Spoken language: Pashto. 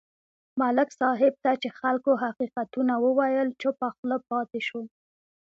ملک صاحب ته چې خلکو حقیقتونه وویل، چوپه خوله پاتې شو.